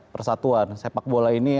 persatuan sepak bola ini